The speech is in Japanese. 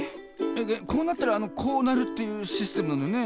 ええっこうなったらこうなるっていうシステムなのよね？